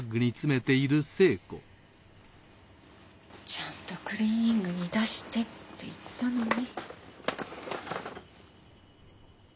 ちゃんとクリーニングに出してって言ったのに。